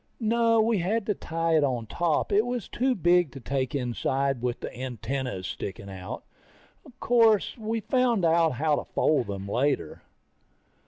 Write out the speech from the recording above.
No, we had to tie it on top, it was too big to take inside with the antennas sticking out. Course, we found out how to fold them later.